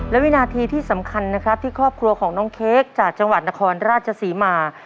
และวินาทีที่สำคัญนะครับที่ครอบครัวของน้องเค้กจากจังหวัดนครราชศรีมา